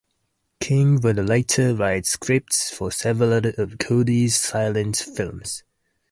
King would later write scripts for several of Cody's silents films.